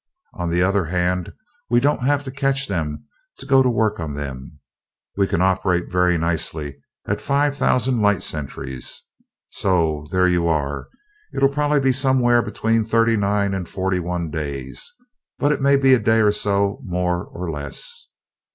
On the other hand, we don't have to catch them to go to work on them. We can operate very nicely at five thousand light centuries. So there you are it'll probably be somewhere between thirty nine and forty one days, but it may be a day or so more or less."